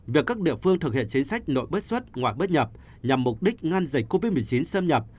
việc các địa phương thực hiện chính sách nội bất xuất ngoại bất nhập nhằm mục đích ngăn dịch covid một mươi chín xâm nhập